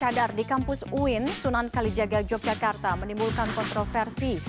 controversi pelarangan cadar di kampus uin sunan kalijaga yogyakarta menimbulkan kontroversi